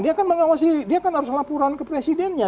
dia kan mengawasi dia kan harus laporan ke presidennya